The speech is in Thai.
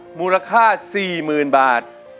เพื่อรับรองเหมือนเดิม